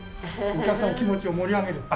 お客さんの気持ちを盛り上げる。